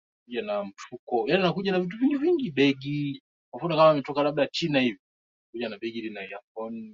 waliingia kabla ya boti kupelekwa kwenye sehemu za kutua